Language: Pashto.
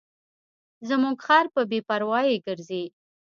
زموږ خر په بې پروایۍ ګرځي.